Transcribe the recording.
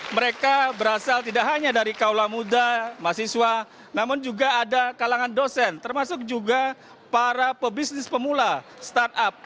mereka berasal tidak hanya dari kaulah muda mahasiswa namun juga ada kalangan dosen termasuk juga para pebisnis pemula startup